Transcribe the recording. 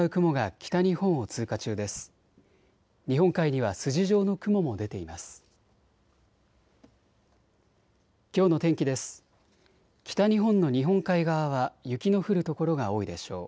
北日本の日本海側は雪の降る所が多いでしょう。